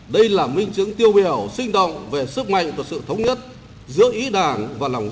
đây là minh chứng tiêu biểu sinh động về sức mạnh và sự thống nhất giữa ý đảng và lòng